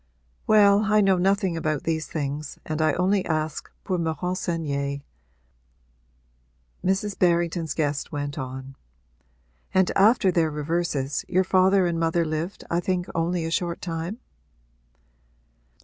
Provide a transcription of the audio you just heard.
'Well, I know nothing about these things and I only ask pour me renseigner,' Mrs. Berrington's guest went on. 'And after their reverses your father and mother lived I think only a short time?'